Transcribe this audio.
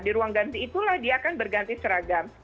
di ruang ganti itulah dia akan berganti seragam